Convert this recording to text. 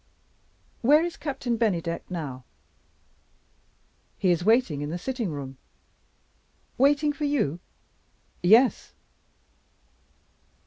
Where is Captain Bennydeck now?" "He is waiting in the sitting room." "Waiting for you?" "Yes."